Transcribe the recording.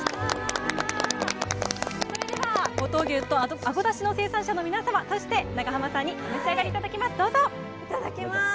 それでは五島牛とあごだしの生産者の皆様と長濱さんにお召し上がりいただきます。